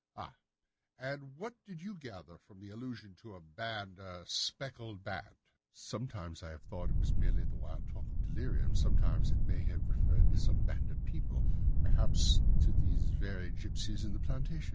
"Ah, and what did you gather from this allusion to a band—a speckled band?" "Sometimes I have thought that it was merely the wild talk of delirium, sometimes that it may have referred to some band of people, perhaps to these very gipsies in the plantation.